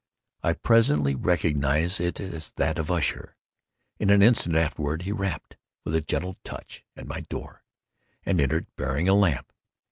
I presently recognised it as that of Usher. In an instant afterward he rapped, with a gentle touch, at my door, and entered, bearing a lamp.